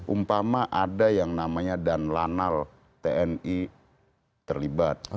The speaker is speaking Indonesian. umpama ada yang namanya dan lanal tni terlibat